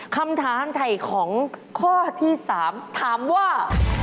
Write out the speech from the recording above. คำถามไถ่ของข้อที่๓ถามว่า